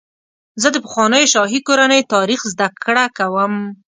زه د پخوانیو شاهي کورنیو تاریخ زدهکړه کوم.